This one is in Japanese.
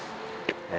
え